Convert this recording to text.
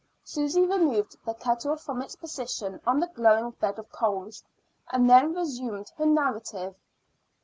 Susy removed the kettle from its position on the glowing bed of coals, and then resumed her narrative.